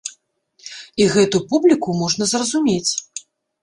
І гэту публіку можна зразумець.